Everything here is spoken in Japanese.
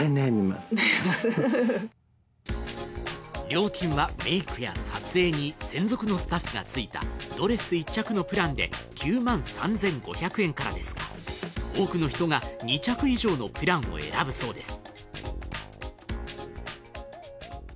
料金は、メイクや撮影に専属のスタッフがついたドレス１着のプランで９万３５００円からですが、多くの人が２着以上のプランを選ぶそうです。